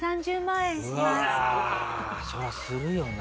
うわあそりゃするよな。